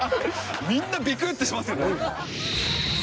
みんなびくってしますよ。